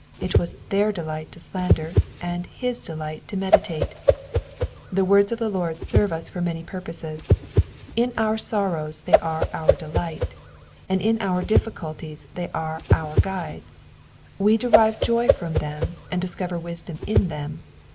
It was their delight to slander and his delight to meditate. The words of the Lord serve us for many purposes ; in our sorrows they are our delight, and in our difficulties they are our guide ; we derive joy from them and discover wisdom in them.